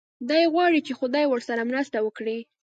دی غواړي چې خدای ورسره مرسته وکړي.